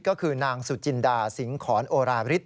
ก็คือนางสุจินดาสิงขรโอราริส